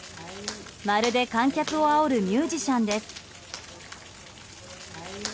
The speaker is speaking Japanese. まるで観客をあおるミュージシャンです。